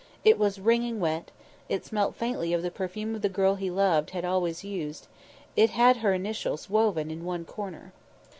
It was wringing wet, it smelt faintly of the perfume the girl he loved had always used; it had her initials woven in one corner.